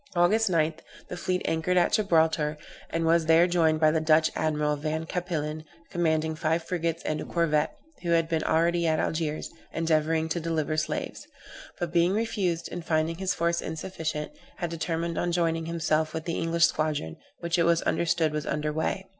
August 9, the fleet anchored at Gibraltar, and was there joined by the Dutch admiral, Van Cappillen, commanding five frigates and a corvette, who had been already at Algiers, endeavoring to deliver slaves: but being refused, and finding his force insufficient, had determined on joining himself with the English squadron, which it was understood was under weigh.